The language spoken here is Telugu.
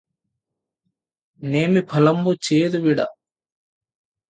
నేమిఫలంబు చేదువిడ